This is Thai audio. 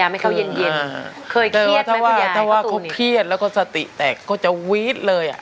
เมื่อเขาเครียดแล้วสติแตกเขาจะวีดเลย